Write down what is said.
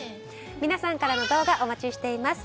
皆さんからの動画お待ちしています。